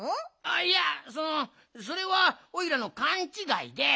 いやそのそれはおいらのかんちがいで。